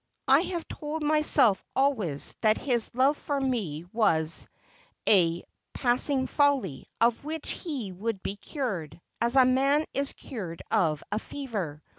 I have told myself always that his love for me was a passing folly, of which he would be cured, as a man is cured of a fever.